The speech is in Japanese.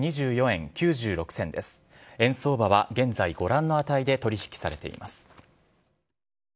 円相場は現在ご覧の値で取り引きされています。